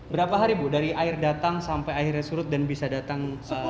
berapa hari bu dari air datang sampai akhirnya surut dan bisa datang